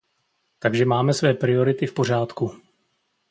Takže máme své priority v pořádku.